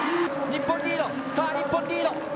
日本リード、さあ、日本リード。